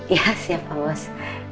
iya siap abas